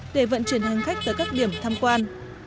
để vận chuyển hành khách tới các điểm tham quan